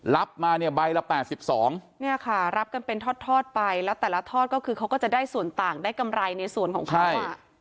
รับมาเนี่ยใบละ๘๒เนี่ยค่ะรับกันเป็นทอดไปแล้วแต่ละทอดก็คือเขาก็จะได้ส่วนต่างได้กำไรในส่วนของค่า